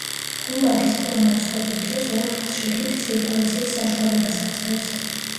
გუმბათის ფორმა ცხობის დროს ორთქლს შიგნით ცირკულაციის საშუალებას აძლევს.